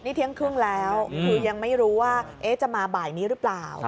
นี่เที่ยงครึ่งแล้วคือยังไม่รู้ว่าจะมาบ่ายนี้หรือเปล่า